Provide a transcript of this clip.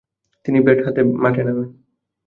তিনি ব্যাট হাতে মাঠে নামেন।